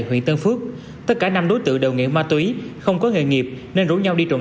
huyện tân phước tất cả năm đối tượng đều nghiện ma túy không có nghề nghiệp nên rủ nhau đi trộm